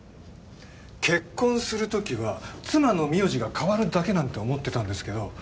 結婚するときは妻の名字が変わるだけなんて思ってたんですけど